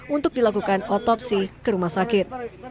untuk dilakukan otopsi ke rumah sakit